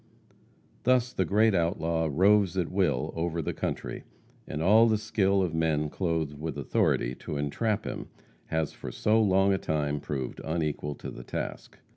Thus the great outlaw roves at will over the country, and all the skill of men clothed with authority to entrap him has for so long a time proved unequal to the task.